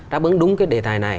đáp ứng đúng cái đề tài này